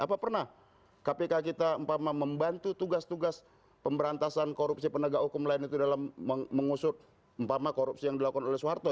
apa pernah kpk kita membantu tugas tugas pemberantasan korupsi penegak hukum lain itu dalam mengusut korupsi yang dilakukan oleh soeharto